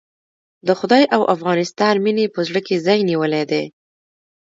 د خدای او افغانستان مينې په زړه کې ځای نيولی دی.